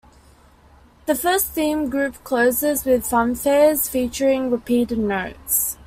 The first theme group closes with fanfares featuring repeated notes.